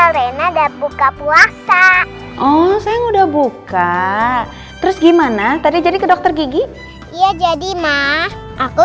lena dan buka puasa oh saya udah buka terus gimana tadi jadi ke dokter gigi iya jadi mah aku